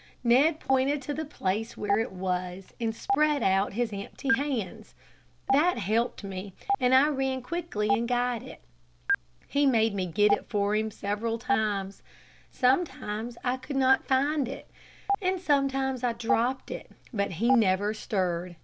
Ned pointed to the place where it was, and spread out his empty hands. That helped me, and I ran quickly and got it. He made me get it for him several times. Sometimes I could not find it, and sometimes I dropped it; but he never stirred.